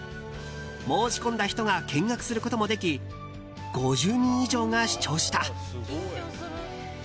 申し込んだ人が見学することもでき５０人以上が視聴した。